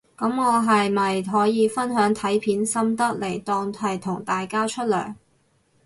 噉我係咪可以分享睇片心得嚟當係同大家出糧